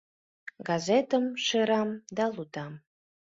Газетым шерам да лудам.